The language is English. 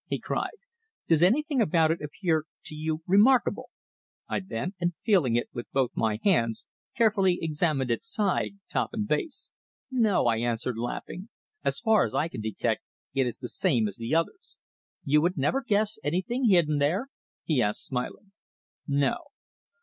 he cried. "Does anything about it appear to you remarkable?" I bent, and feeling it with both my hands, carefully examined its side, top and base. "No," I answered, laughing. "As far as I can detect it is the same as the others." "You would never guess anything hidden there?" he asked, smiling. "No."